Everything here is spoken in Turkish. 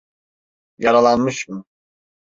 Yaralanmış mı?